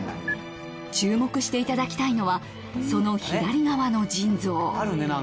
注目していただきたいのはその左側の腎臓。